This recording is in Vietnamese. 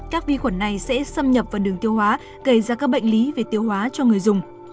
các vi khuẩn này sẽ xâm nhập vào đường tiêu hóa gây ra các bệnh lý về tiêu hóa cho người dùng